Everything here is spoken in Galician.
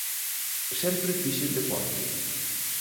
Sempre fixen deporte.